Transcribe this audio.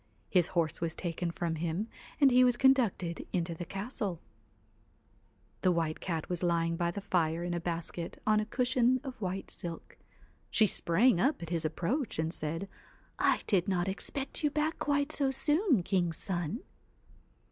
His horse was taken from him, and he was conducted into the castle. 215 THE The White Cat was lying by the fire in a basket WHITE on a cushion of white silk. She sprang up at his CAT approach, and said ' I did not expect you back quite so soon, king's son!'